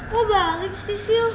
lo balik sih sil